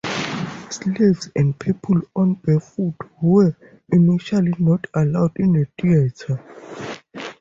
Slaves and people on barefoot where initially not allowed in the theatre.